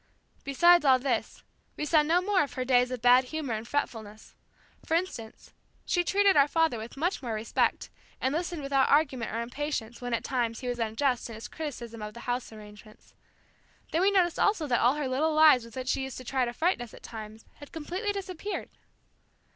Beside all this, we saw no more of her days of bad humor and fretfulness. For instance, she treated our father with much more respect and listened without argument or impatience when, at times, he was unjust in his criticism of the house arrangements. Then we noticed also that all her little lies with which she tried to frighten us at times had completely disappeared.